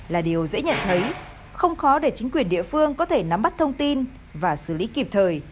là điều dễ nhận thấy không khó để chính quyền địa phương có thể nắm bắt thông tin và xử lý kịp thời